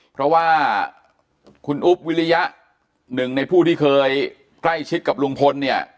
เพราะว่าคุณอุ๊บวิริยะหนึ่งในผู้ที่เคยใกล้ชิดกับลุงพลเนี่ย